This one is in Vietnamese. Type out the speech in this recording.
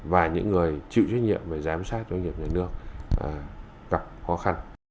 và những người chịu trách nhiệm về giám sát doanh nghiệp nhà nước gặp khó khăn